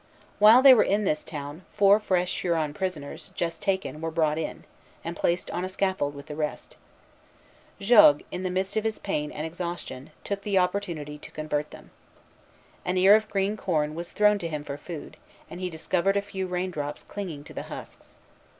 While they were in this town, four fresh Huron prisoners, just taken, were brought in, and placed on the scaffold with the rest. Jogues, in the midst of his pain and exhaustion, took the opportunity to convert them. An ear of green corn was thrown to him for food, and he discovered a few rain drops clinging to the husks.